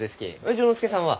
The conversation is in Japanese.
丈之助さんは？